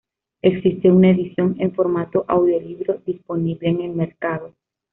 Existe una edición en formato audiolibro disponible en el mercado.